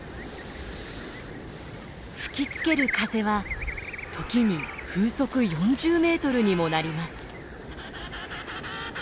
吹きつける風は時に風速４０メートルにもなります。